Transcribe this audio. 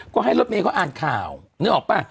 ก็ให้รถเมย์เขาอ่านข่าวนึกออกป่ะ